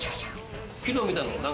昨日見た。